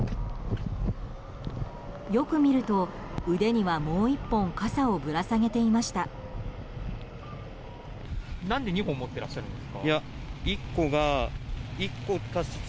よく見ると腕にはもう一本傘をぶら下げていました。